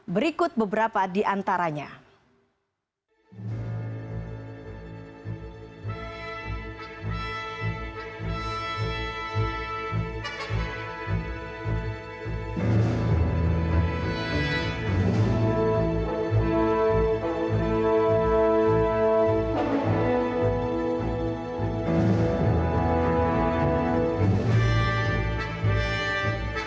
berikut berita tersebut